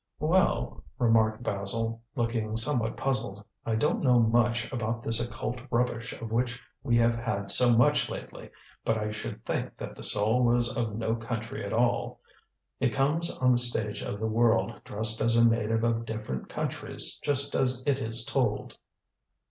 "Well," remarked Basil, looking somewhat puzzled, "I don't know much about this occult rubbish of which we have had so much lately, but I should think that the soul was of no country at all. It comes on the stage of the world dressed as a native of different countries just as it is told."